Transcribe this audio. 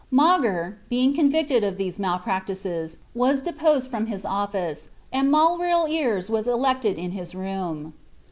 Mauger, bebg convicied of theM 1 nal practices, was deposed from his office, and Haurilliers was elected io ^his room.